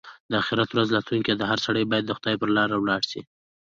د اخيرت ورځ راتلونکې ده؛ هر سړی باید د خدای پر لاره ولاړ شي.